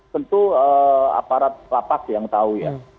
tentu aparat lapak yang tahu